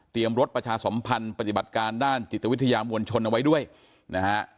รถประชาสมพันธ์ปฏิบัติการด้านจิตวิทยามวลชนเอาไว้ด้วยนะฮะ